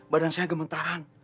badan saya gemetaran